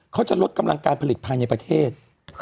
เขาจะลดกำลังการผลิตภายในประเทศ